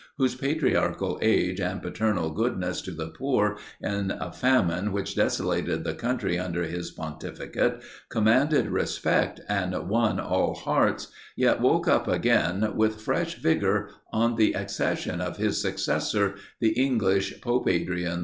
whose patriarchal age and paternal goodness to the poor in a famine which desolated the country under his pontificate, commanded respect and won all hearts, yet woke up again with fresh vigour on the accession of his successor, the English Pope Adrian IV.